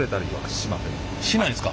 しないんですか？